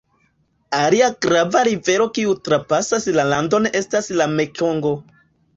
Alia grava rivero kiu trapasas la landon estas la Mekongo.